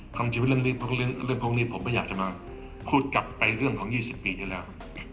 ความชีวิตเรื่องพวกนี้ผมก็อยากจะมาพูดกลับไปเรื่องของ๒๐ปีที่แล้ว